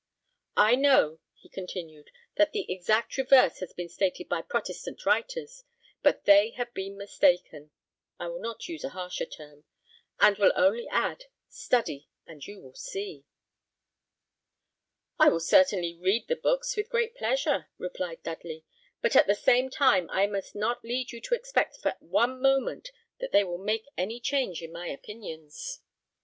I know," he continued, "that the exact reverse has been stated by Protestant writers, but they have been mistaken I will not use a harsher term and will only add, study, and you will see." "I will certainly read the books with great pleasure," replied Dudley; "but at the same time I must not lead you to expect for one moment that they will make any change in my opinions."